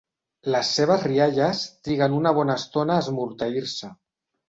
Les seves rialles triguen una bona estona a esmorteir-se.